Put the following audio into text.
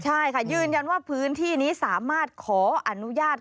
ใช่ค่ะยืนยันว่าพื้นที่นี้สามารถขออนุญาต